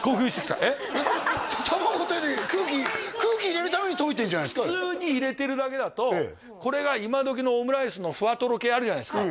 卵手で空気空気入れるためにといてるじゃないですか普通に入れてるだけだとこれが今時のオムライスのフワトロ系あるじゃないですか